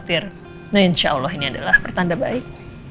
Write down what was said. insyaallah ini adalah pertanda baik